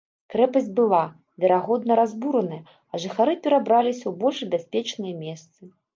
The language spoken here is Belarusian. Крэпасць была, верагодна, разбураная, а жыхары перабраліся ў больш бяспечныя месцы.